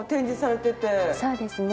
そうですね。